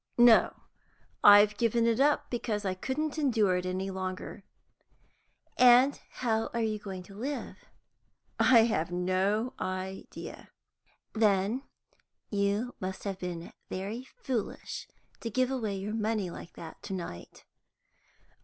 "No. I've given it up because I couldn't endure it any longer." "And how are you going to live?" "I have no idea." "Then you must have been very foolish to give away your money like that to night."